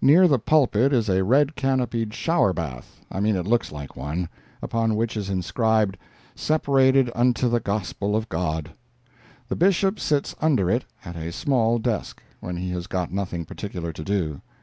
Near the pulpit is a red canopied shower bath—I mean it looks like one—upon which is inscribed, "Separated unto the Gospel of God." The Bishop sits under it at a small desk, when he has got nothing particular to do.